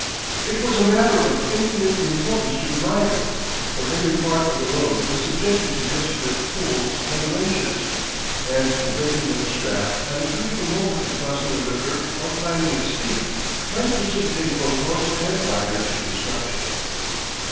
It was a matter of infinite importance to the rider, for every part of the load was subjected to desperate pulls and wrenches, and the breaking of a strap, at a critical moment in crossing a river or climbing a steep, might precipitate both horse and rider to destruction.